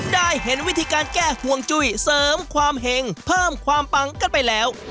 ได้เห็นวิธีการแก้ห่วงจุ้ยเสริมความเห็งเพิ่มความปังกันไปแล้ว